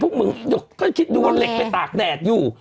มึงก็คิดดูว่าเหล็กไปตากแดดอยู่